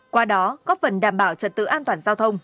qua đó góp phần đảm bảo trật tự an toàn giao thông